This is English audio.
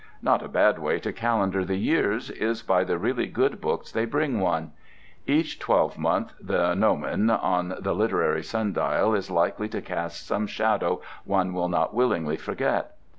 Not a bad way to calendar the years is by the really good books they bring one. Each twelve month the gnomon on the literary sundial is likely to cast some shadow one will not willingly forget.